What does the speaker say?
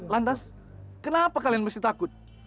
lantas kenapa kalian mesti takut